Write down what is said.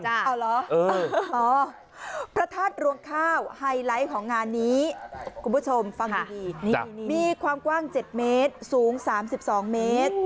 เอาเหรอพระธาตุรวงข้าวไฮไลท์ของงานนี้คุณผู้ชมฟังดีมีความกว้าง๗เมตรสูง๓๒เมตร